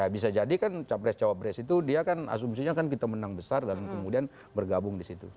bisa jadi kan capres cawapres itu dia kan asumsinya kan kita menang besar dan kemudian bergabung di situ